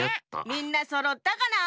みんなそろったかな？